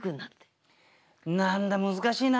何だ難しいな。